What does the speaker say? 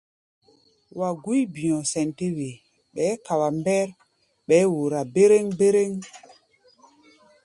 Wa gúí bi̧ɔ̧ sɛn tɛ́ wee, bɛɛ́ ka wa mbɛ́r bɛɛ́ wora béréŋ-béréŋ.